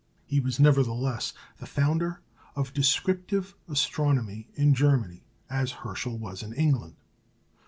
He was, nevertheless, the founder of descriptive astronomy in Germany, as Herschel was in England.